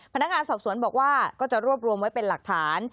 พนักงานสอบสวนบอกว่าก็จะรวบรวมไว้เป็นหลักฐาน